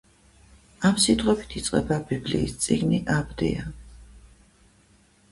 ამ სიტყვებით იწყება ბიბლიის წიგნი „აბდია“.